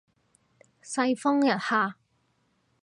世風日下